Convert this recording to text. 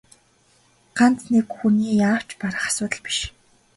Ганц нэг хүний яавч барах асуудал биш.